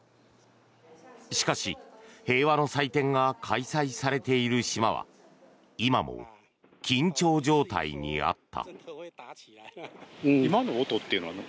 しかし平和の祭典が開催されている島は今も緊張状態にあった。